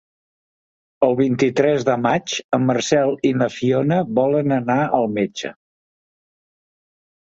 El vint-i-tres de maig en Marcel i na Fiona volen anar al metge.